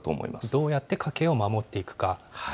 どうやって家計を守っていくか。